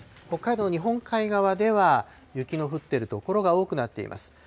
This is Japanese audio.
北海道、日本海側では雪の降っている所が多くなっています。